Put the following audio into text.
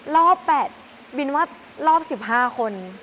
รอบ๘บินว่ารอบ๑๕คน